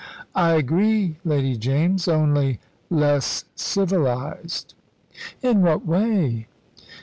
"I agree, Lady James only less civilised." "In what way?"